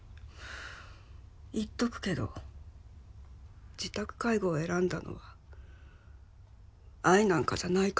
言っとくけど自宅介護を選んだのは愛なんかじゃないから。